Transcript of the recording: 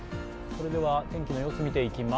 天気の様子を見ていきます。